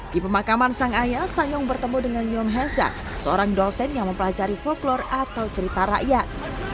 di pemakaman sang ayah sanyong bertemu dengan yon hazar seorang dosen yang mempelajari foklor atau cerita rakyat